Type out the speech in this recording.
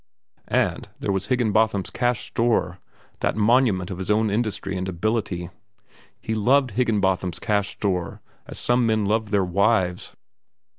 And there was Higginbotham's Cash Store, that monument of his own industry and ability. He loved Higginbotham's Cash Store as some men loved their wives.